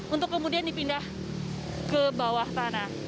untuk kemudian dipindah ke bawah tanah